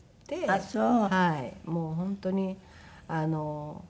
あっそう。